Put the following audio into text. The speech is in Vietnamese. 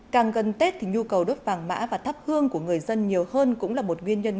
càng gần tết thì nhu cầu đốt vàng mã và thắp hương của người dân nhiều hơn cũng là một nguyên nhân